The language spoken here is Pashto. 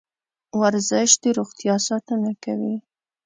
ورزش د روغتیا ساتنه کوي.